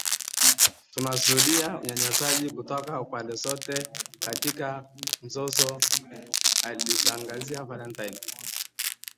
“Tunashuhudia unyanyasaji kutoka pande zote katika mzozo” aliongeza Valentine.